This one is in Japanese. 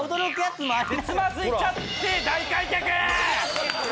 つまずいちゃって大開脚！